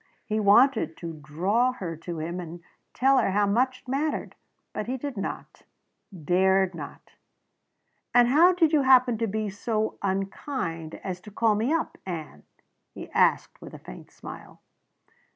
He wanted to draw her to him and tell her how much it mattered. But he did not dared not. "And how did you happen to be so unkind as to call me up, Ann?" he asked with a faint smile.